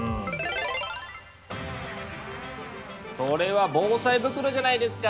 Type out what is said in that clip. それは防災袋じゃないですか！